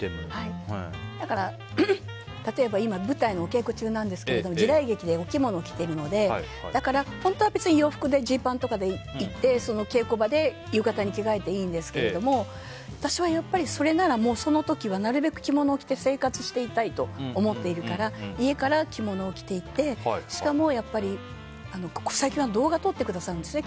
例えば、今舞台のお稽古中なんですけど時代劇でお着物を着ているのでだから、本当は別に洋服でジーパンとかで行って稽古場で浴衣に着替えていいんですけど私はやっぱりそれならその時はなるべく着物を着て生活したいと思っているから家から着物を着て行ってしかもやっぱりここ最近は動画撮ってくださるんですね。